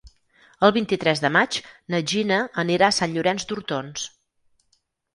El vint-i-tres de maig na Gina anirà a Sant Llorenç d'Hortons.